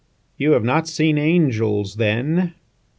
You have not seen angels then.